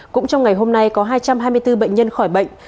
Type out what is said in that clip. cũng trong ngày hôm nay có hai trăm hai mươi bốn bệnh nhân khỏi bệnh